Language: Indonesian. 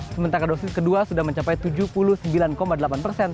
sementara dosis kedua sudah mencapai tujuh puluh sembilan delapan persen